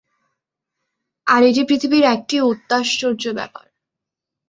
আর এটি পৃথিবীর একটি অত্যাশ্চর্য ব্যাপার।